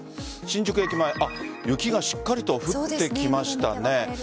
新宿駅前雪がしっかりと降ってきましたね。